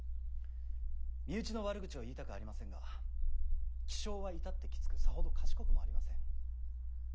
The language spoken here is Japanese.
身内の悪口は言いたくありませんが気性は至ってきつくさほど賢くもありません。